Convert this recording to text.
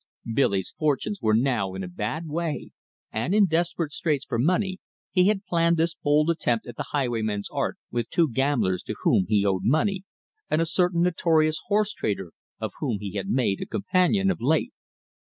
Billy's fortunes were now in a bad way, and, in desperate straits for money, he had planned this bold attempt at the highwayman's art with two gamblers, to whom he owed money, and a certain notorious horse trader of whom he had made a companion of late.